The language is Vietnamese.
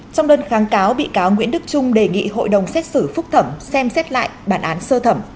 trong đơn kháng cáo bị cáo nguyễn đức trung đề nghị hội đồng xét xử phúc thẩm xem xét lại bản án sơ thẩm